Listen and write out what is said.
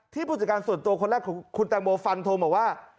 ผู้จัดการส่วนตัวคนแรกของคุณแตงโมฟันโทรมาว่า